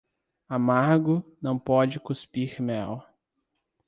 Amargo, não pode cuspir mel.